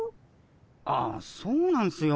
あそうなんすよ。